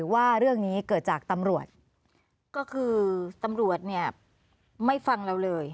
ว่าเรื่องนี้เกิดจากตำรวจก็คือตำรวจเนี่ยไม่ฟังเราเลย